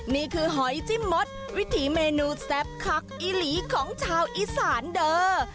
นี่คือหอยจิ้มหมดวิธีเมนูแซบคักอีหลีของชาวอีสานเดอร์